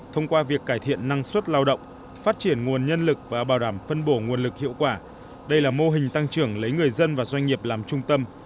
thông qua việc cải thiện năng suất lao động phát triển nguồn nhân lực và bảo đảm phân bổ nguồn lực hiệu quả đây là mô hình tăng trưởng lấy người dân và doanh nghiệp làm trung tâm